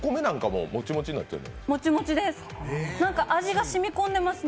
もちもちです。